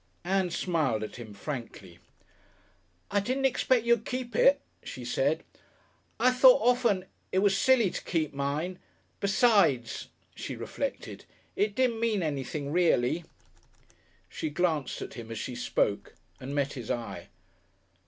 Ann smiled at him frankly. "I didn't expect you'd keep it," she said. "I thought often it was silly to keep mine. Besides," she reflected, "it didn't mean anything really." She glanced at him as she spoke and met his eye.